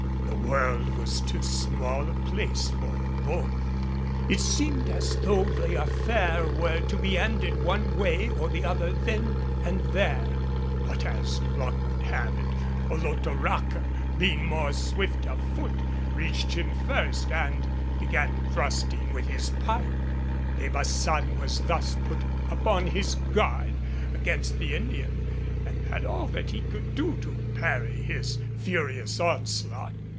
The world was too small a place for both. It seemed as though the affair were to be ended one way or the other then and there. But as luck would have it, Olotoraca, being more swift of foot, reached him first and began thrusting with his pike. De Baçan was thus put upon his guard against the Indian and had all that he could do to parry his furious onslaught.